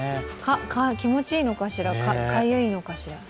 顔、気持ちいいのかしらかゆいのかしら。